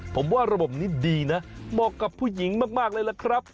ผมว่าระบบนี้ดีนะเหมาะกับผู้หญิงมากเลยล่ะครับ